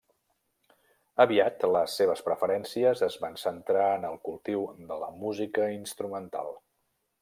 Aviat les seves preferències es van centrar en el cultiu de la música instrumental.